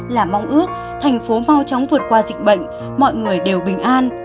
là mong ước thành phố mau chóng vượt qua dịch bệnh mọi người đều bình an